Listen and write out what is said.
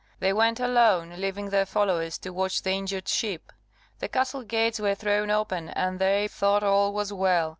They went alone, leaving their followers to watch the injured ship. The castle gates were thrown open, and they thought all was well.